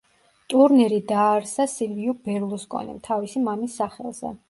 ტურნირი დააარსა სილვიო ბერლუსკონიმ, თავისი მამის სახელზე.